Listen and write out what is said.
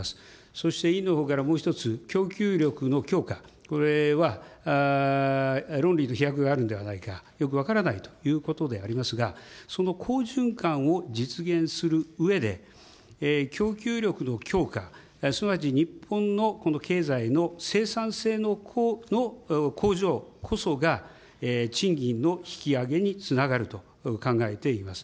そして委員のほうからもう１つ、供給力の強化、これは論理の飛躍があるんではないか、よく分からないということでありますが、その好循環を実現するうえで、供給力の強化、すなわち日本の経済の生産性の向上こそが、賃金の引き上げにつながると考えています。